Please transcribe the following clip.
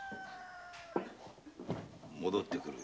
戻って来る。